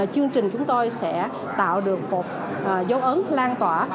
chương trình chúng tôi sẽ tạo được một dấu ấn lan tỏa